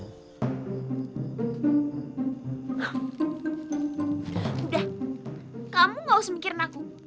udah kamu gak usah mikirin aku